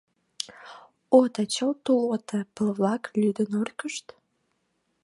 «Ото — чылт тулото!» — пыл-влак лӱдын ӧрткышт?